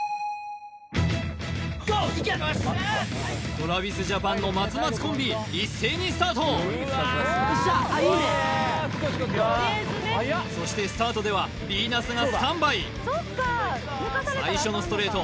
ＴｒａｖｉｓＪａｐａｎの松松コンビ一斉にスタートそしてスタートではヴィーナスがスタンバイ最初のストレート